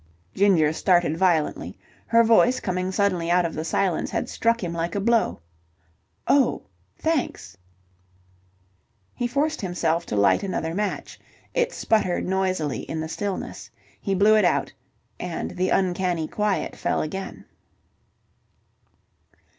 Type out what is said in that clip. Ginger started violently. Her voice, coming suddenly out of the silence, had struck him like a blow. "Oh, thanks!" He forced himself to light another match. It sputtered noisily in the stillness. He blew it out, and the uncanny quiet fell again.